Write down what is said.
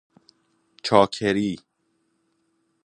چاکری